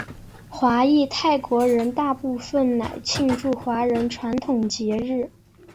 华裔泰国人大部分仍庆祝华人传统节日。